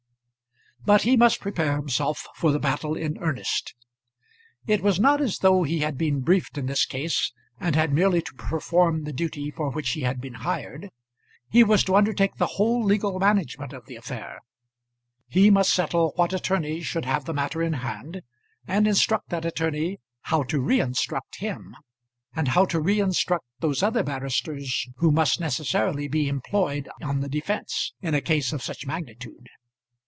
But he must prepare himself for the battle in earnest. It was not as though he had been briefed in this case, and had merely to perform the duty for which he had been hired. He was to undertake the whole legal management of the affair. He must settle what attorney should have the matter in hand, and instruct that attorney how to reinstruct him, and how to reinstruct those other barristers who must necessarily be employed on the defence, in a case of such magnitude.